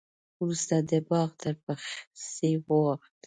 وروسته د باغ تر پخڅې واوښت.